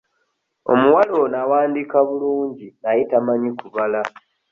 Omuwala ono awandiika bulungi naye tamanyi kubala.